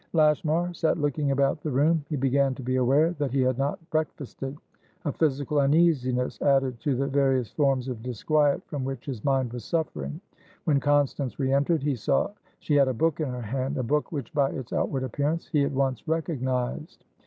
Lashmar sat looking about the room. He began to be aware that he had not breakfasted,a physical uneasiness added to the various forms of disquiet from which his mind was suffering. When Constance re entered, he saw she had a book in her hand, a book which by its outward appearance he at once recognised.